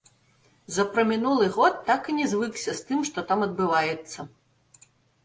За прамінулы год так і не звыкся з тым, што там адбываецца.